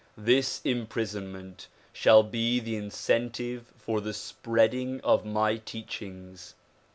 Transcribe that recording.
This im prisonment shall be the incentive for the spreading of my teachings.